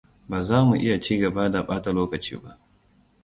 Ba za mu iya ci gaba da ɓata lokaci ba.